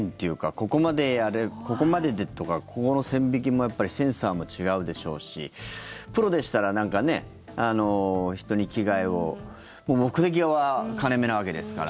ここまでやれる、ここまででとかここの線引きもやっぱりセンサーも違うでしょうしプロでしたらなんかね、人に危害を目的は金目なわけですから。